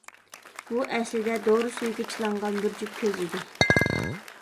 بۇ ئەسلىدە دورا سۈيىگە چىلانغان بىر جۈپ كۆز ئىدى!